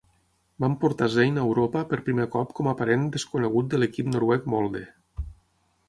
Van portar Zane a Europa per primer cop com a parent desconegut de l'equip noruec Molde.